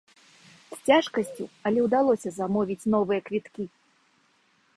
З цяжкасцю, але ўдалося замовіць новыя квіткі!